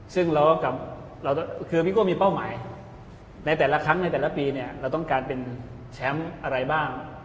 ซึ่งคือพี่โก้มีเป้าหมายในแต่ละครั้งในแต่ละปีเนี่ยเราต้องการเป็นแชมป์อะไรบ้าง